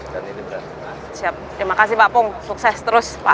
terima kasih pak pung sukses terus pak